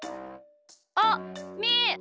あっみー！